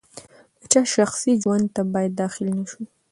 د چا شخصي ژوند ته باید داخل نه شو.